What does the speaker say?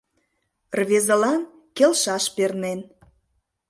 Рвезылан келшаш пернен.